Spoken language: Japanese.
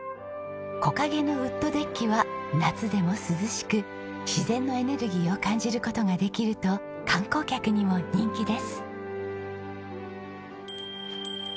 木陰のウッドデッキは夏でも涼しく自然のエネルギーを感じる事ができると観光客にも人気です。